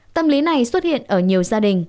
tâm lý này xuất hiện ở nhiều gia đình